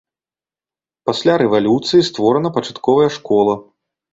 Пасля рэвалюцыі створана пачатковая школу.